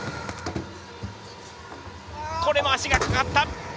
これも足がかかった。